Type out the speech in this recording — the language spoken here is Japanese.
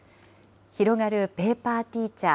広がるペーパーティーチャー。